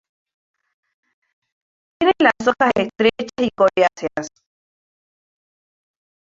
Tiene las hojas estrechas y coriáceas.